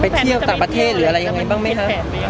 เที่ยวต่างประเทศหรืออะไรยังไงบ้างไหมคะ